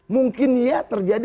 mungkin ya terjadi